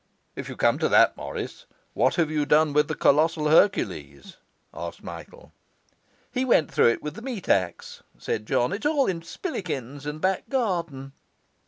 'If you come to that, Morris, what have you done with the colossal Hercules?' asked Michael. 'He went through it with the meat axe,' said John. 'It's all in spillikins in the back garden.